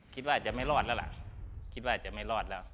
คิดว่าจะไม่รอดแล้วล่ะคิดว่าจะไม่รอดแล้ว